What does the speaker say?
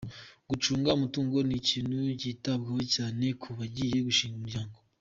Gucunga umutungo ni ikintu kitabwaho cyane ku bagiye gushinga umuryango.